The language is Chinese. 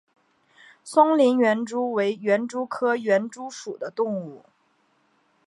松林园蛛为园蛛科园蛛属的动物。